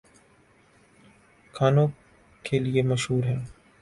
کھانوں کے لیے مشہور ہیں